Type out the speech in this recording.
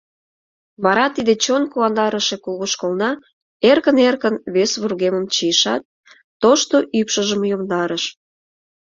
Вара тиде чон куандарыше кугу школна эркын-эркын вес вургемым чийышат, тошто ӱпшыжым йомдарыш.